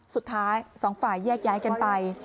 สุดท้ายสองฝ่ายแยกย้ายกันไป